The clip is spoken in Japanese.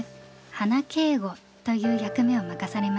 花警固という役目を任されました。